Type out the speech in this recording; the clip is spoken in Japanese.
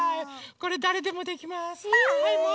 これだれでもできます。